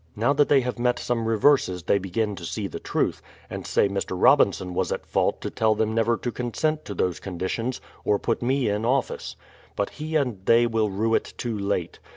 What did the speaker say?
Now that they have met some reverses they begin to see the truth, and say Mr. Robinson was at fault to tell them never to consent to those conditions, or put me in office. But he and they will rue it too late.